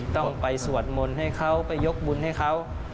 ต้องไปสวดมนต์ให้เขาไปยกบุญให้เขา